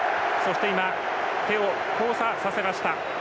今、手を交差させました。